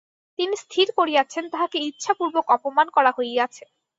তিনি স্থির করিয়াছেন, তাঁহাকে ইচ্ছাপূর্বক অপমান করা হইয়াছে।